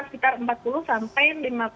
sekitar empat puluh sampai lima puluh